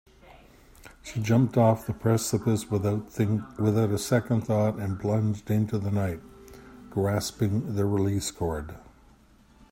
She jumped off the precipice without a second thought and plunged into the night, grasping the release cord.